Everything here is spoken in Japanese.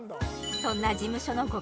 そんな事務所のご